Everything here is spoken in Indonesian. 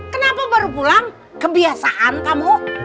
kenapa baru pulang kebiasaan kamu